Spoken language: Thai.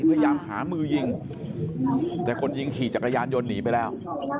พยายามหามือยิงแต่คนยิงขี่จักรยานยนต์หนีไปแล้ว